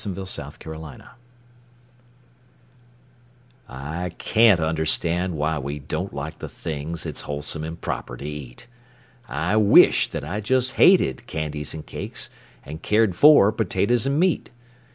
Edgar Fawcett A Sad Case I CAN'T understand why we don't like the things It's wholesome and proper to eat; I wish that I just hated candies and cakes, And cared for potatoes and meat.